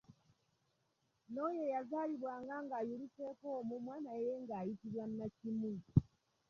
N'oyo eyazaalibwanga ng’ayuliseeko omumwa naye ng’ayitibwa nnakimu.